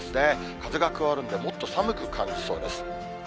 風が加わるんで、もっと寒く感じそうです。